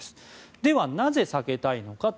ではなぜ避けたいのか。